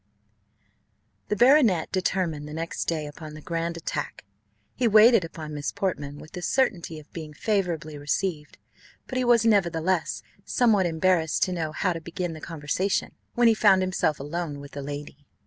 The baronet determined the next day upon the grand attack. He waited upon Miss Portman with the certainty of being favourably received; but he was, nevertheless, somewhat embarrassed to know how to begin the conversation, when he found himself alone with the lady.